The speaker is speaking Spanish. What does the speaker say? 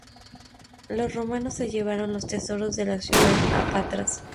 Los romanos se llevaron los tesoros de la ciudad a Patras.